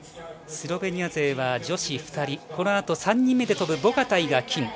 スロベニア勢は女子２人３人目で飛ぶボガタイが金。